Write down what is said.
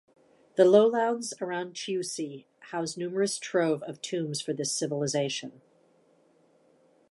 The lowlands around Chiusi house numerous trove of tombs for this civilization.